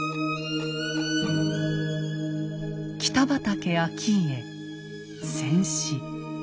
北畠顕家戦死。